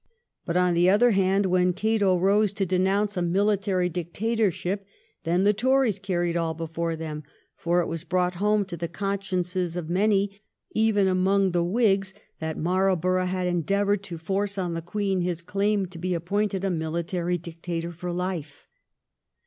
But on the other hand, when Cato rose to denounce a military dictatorship, then the Tories carried all before them, for it was brought home to the consciences of many, even among the Whigs, that Marlborough had endeavoured to force on the Queen his claim to be appointed a military dictator for life.